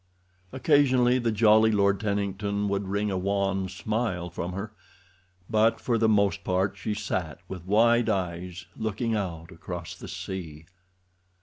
Occasionally the jolly Lord Tennington would wring a wan smile from her, but for the most part she sat with wide eyes looking out across the sea.